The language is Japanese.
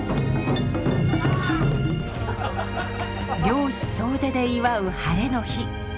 漁師総出で祝うハレの日。